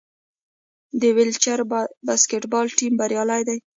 د ویلچیر باسکیټبال ټیم بریالی دی.